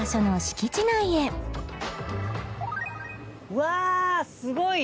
うわすごい。